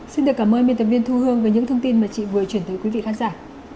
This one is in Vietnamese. xin được cảm ơn biên tập viên thu hương về những thông tin mà chị vừa chuyển tới quý vị khán giả